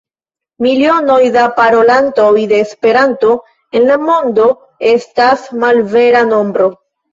Milionoj da parolantoj de Esperanto en la mondo estas malvera nombro.